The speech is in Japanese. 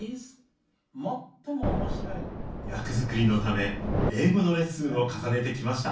役作りのため英語のレッスンを重ねてきました